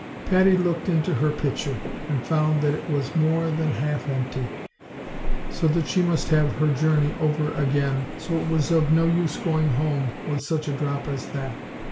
Patty looked into her pitcher, and found that it was more than half empty, so that she must have all her journey over again, for it was of no use going home with such a drop as that.